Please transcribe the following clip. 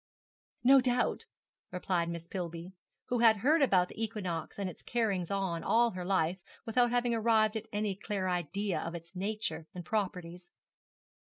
'No doubt,' replied Miss Pillby, who had heard about the equinox and its carryings on all her life without having arrived at any clear idea of its nature and properties.